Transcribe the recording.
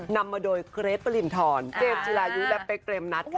นำมาโดยเกรทปรินทรเจมส์จิรายุและเป๊กเรมนัดค่ะ